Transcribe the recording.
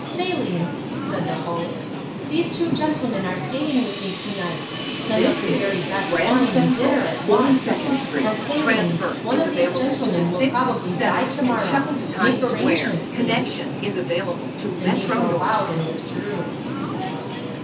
"Selim," said the host, "these two gentlemen are staying with me tonight. Send up the very best wine and dinner at once. And Selim, one of these gentlemen will probably die tomorrow. Make arrangements, please." The negro bowed and withdrew.